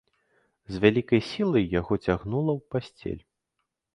З вялікай сілай яго цягнула ў пасцель.